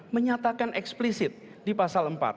menyatakan eksplisit di pasal empat